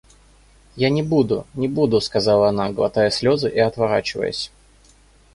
Я не буду, не буду, — сказала она, глотая слезы и отворачиваясь.